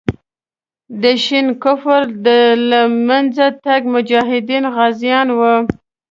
د شین کفر د له منځه تګ مجاهدین غازیان وو.